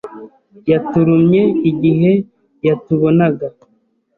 Yaturumye igihe yatubonaga